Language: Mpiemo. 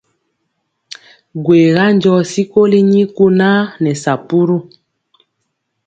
Gwega njɔ sikoli nii kunaa nɛ sapuru!